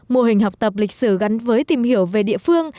mô hình học tập lịch sử gắn với tìm hiểu về địa phương